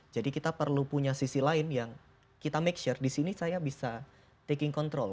jadi kita perlu punya sisi lain yang kita make sure disini saya bisa taking control